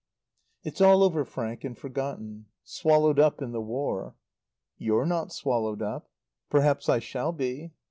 "It's all over, Frank, and forgotten. Swallowed up in the War." "You're not swallowed up." "Perhaps I shall be."